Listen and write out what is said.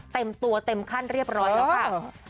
เต็มตัวเต็มขั้นเรียบร้อยแล้วค่ะ